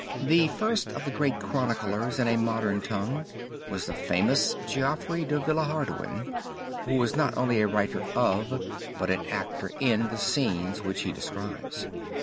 The first of the great chroniclers in a modern tongue was the famous Geoffrey de Villehardouin, who was not only a writer of, but an actor in the scenes which he describes.